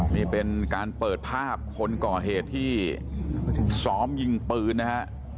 นี่เป็นการเปิดภาพคนก่อเหตุที่ซ้อมยิงปืนนะฮะ